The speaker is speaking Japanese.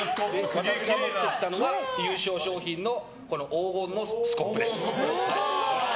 私が持ってきたのは優勝賞品のこの黄金のスコップです。